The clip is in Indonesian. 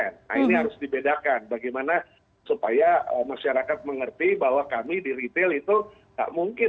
nah ini harus dibedakan bagaimana supaya masyarakat mengerti bahwa kami di retail itu nggak mungkin